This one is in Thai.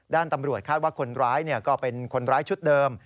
ด้านตำรวจคาดว่าคนร้ายก็เป็นคนร้ายชุดเดิม